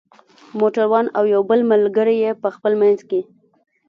موټر وان او یو بل ملګری یې په خپل منځ کې.